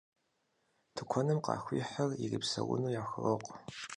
Тыкуэным къахуихьыр ирипсэуну яхурокъу.